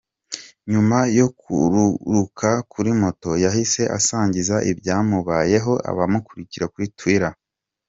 Nyuma yo kururuka kuri moto yahise asangiza ibyamubayeho abamukurikira kuri Twitter.